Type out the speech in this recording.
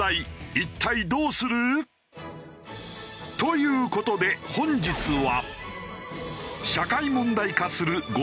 一体どうする？という事で本日は。